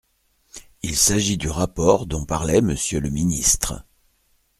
Il s’agit du rapport dont parlait Monsieur le ministre.